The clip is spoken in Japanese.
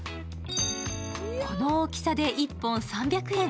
この大きさで１本３００円。